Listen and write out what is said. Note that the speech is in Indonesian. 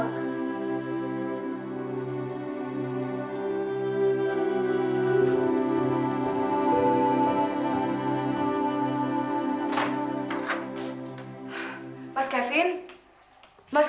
terima kasih mbak